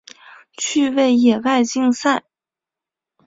趣味野外竞赛。